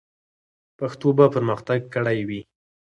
پښتو به پرمختګ کړی وي.